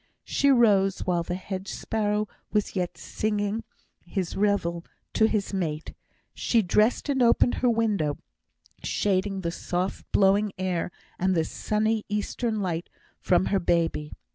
She rose while the hedge sparrow was yet singing his réveillé to his mate; she dressed and opened her window, shading the soft blowing air and the sunny eastern light from her baby.